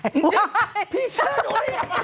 จริงจริงพี่เชื่อหนูหรือยัง